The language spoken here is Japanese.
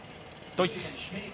ドイツ。